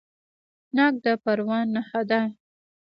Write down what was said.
ناک د پروان نښه ده.